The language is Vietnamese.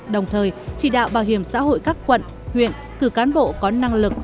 đồng thời chỉ đạo bảo hiểm xã hội các quận huyện cử cán bộ có năng lực